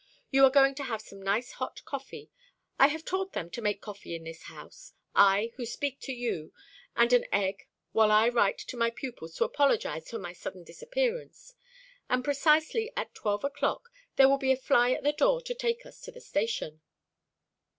"You are going to have some nice hot coffee I have taught them to make coffee in this house, I who speak to you and an egg, while I write to my pupils to apologise for my sudden disappearance; and precisely at twelve o'clock there will be a fly at the door to take us to the station."